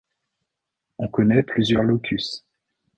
On connaît plusieurs locus.